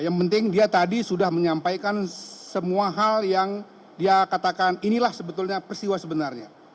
yang penting dia tadi sudah menyampaikan semua hal yang dia katakan inilah sebetulnya persiwa sebenarnya